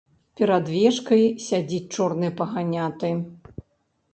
Перад вежкай сядзіць чорны паганяты.